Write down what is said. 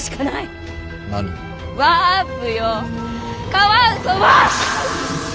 カワウソワープ！